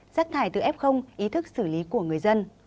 rác thải từ f ý thức xử lý của người dân